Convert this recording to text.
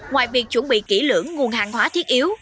ngoài việc chuẩn bị kỹ lưỡng nguồn hàng hóa thiết yếu